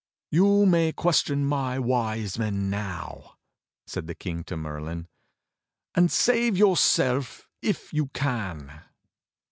"You may question my Wise Men now," said the King to Merlin, "and save yourself if you can."